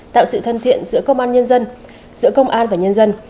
tạo sự thân thiện giữa công an và nhân dân